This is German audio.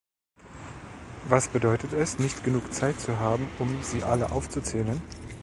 Was bedeutet es, nicht genug Zeit zu haben, um sie alle aufzuzählen?